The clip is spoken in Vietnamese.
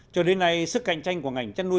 cho đến nay sức cạnh tranh của ngành chăn nuôi